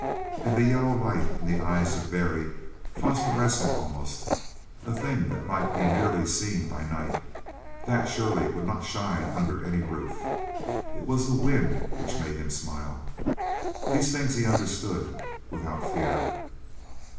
And the yellow light in the eyes of Barry, phosphorescent, almost a thing that might be nearly seen by night that, surely, would not shine under any roof. It was the wind which made him smile. These things he understood, without fear.